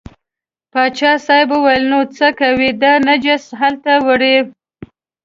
پاچا صاحب وویل نو څه کوې دا نجس هلته وړې.